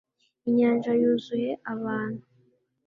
inyanja yuzuye abantu